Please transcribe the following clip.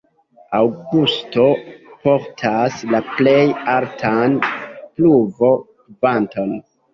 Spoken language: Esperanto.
Aŭgusto portas la plej altan pluvo-kvanton.